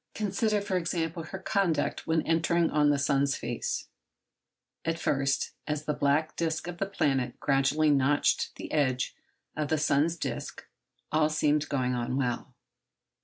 Consider, for example, her conduct when entering on the sun's face:— At first, as the black disc of the planet gradually notched the edge of the sun's disc, all seemed going on well.